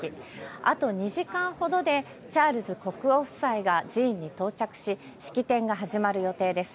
あと２時間ほどでチャールズ国王夫妻が寺院に到着し、式典が始まる予定です。